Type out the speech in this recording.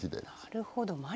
なるほど。